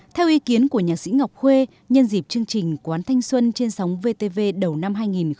theo ý kiến của nhạc sĩ ngọc huê nhân dịp chương trình quán thanh xuân trên sóng vtv đầu năm hai nghìn hai mươi